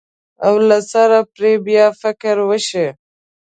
او له سره پرې بیا فکر وشي.